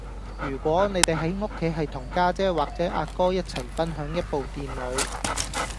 如果你哋喺屋企係同家姐或者阿哥一齊分享一部電腦